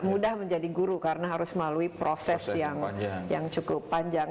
mudah menjadi guru karena harus melalui proses yang cukup panjang